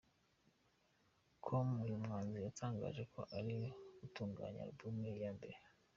com, uyu muhanzi yatangaje ko ari gutunganya album ye ya mbere.